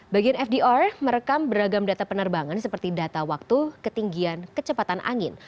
bagian fdr merekam beragam data penerbangan seperti data waktu ketinggian kecepatan angin